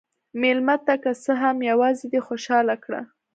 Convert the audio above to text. مېلمه ته که څه هم یواځې دی، خوشحال کړه.